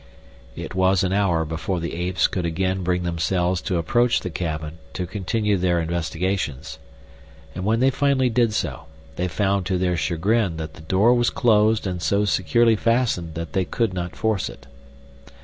It was an hour before the apes could again bring themselves to approach the cabin to continue their investigations, and when they finally did so, they found to their chagrin that the door was closed and so securely fastened that they could not force it.